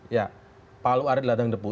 ya palu ada di ladang depu